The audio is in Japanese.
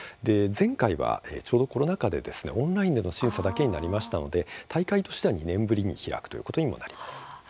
前回はちょうどコロナ禍でオンラインでの審査だけになりましたので大会としては２年ぶりに開くということにもなります。